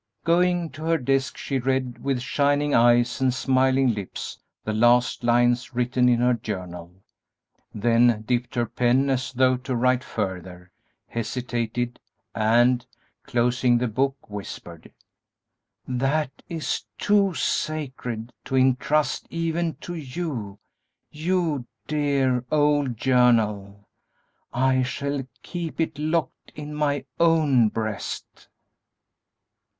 Going to her desk, she read with shining eyes and smiling lips the last lines written in her journal, then dipped her pen as though to write further, hesitated, and, closing the book, whispered, "That is too sacred to intrust even to you, you dear, old journal! I shall keep it locked in my own breast."